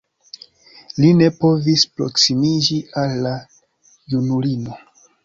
Li ne povis proksimiĝi al la junulino.